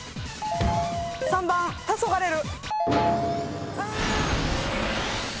３番たそがれる。